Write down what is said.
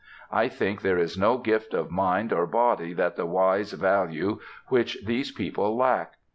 I think there is no gift of mind or body that the wise value which these people lack.